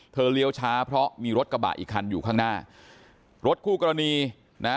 เลี้ยวช้าเพราะมีรถกระบะอีกคันอยู่ข้างหน้ารถคู่กรณีนะ